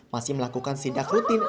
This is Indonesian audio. masih melakukan sindak rutin